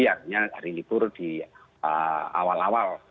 artinya hari libur di awal awal